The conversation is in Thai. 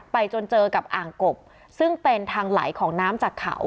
จนเจอกับอ่างกบซึ่งเป็นทางไหลของน้ำจากเขา